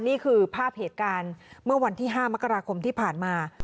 นี่คือภาพเหตุการณ์เมื่อวันที่๕มกราคมที่ผ่านมา